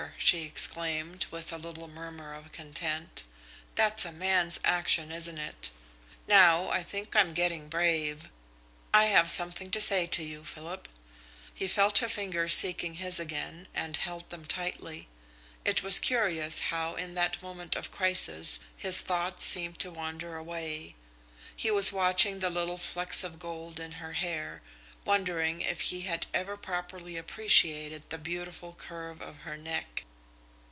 she exclaimed, with a little murmur of content. "That's a man's action, isn't it? Now I think I am getting brave. I have something to say to you, Philip." He felt her fingers seeking his again and held them tightly. It was curious how in that moment of crisis his thoughts seemed to wander away. He was watching the little flecks of gold in her hair, wondering if he had ever properly appreciated the beautiful curve of her neck.